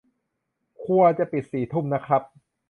ครัวจะปิดสี่ทุ่มนะครับ